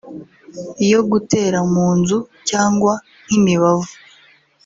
iyo gutera (mu nzu) cyangwa nk’imibavu